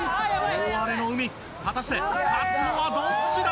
大荒れの海果たして勝つのはどっちだ？